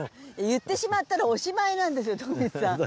言ってしまったらおしまいなんですよ徳光さん。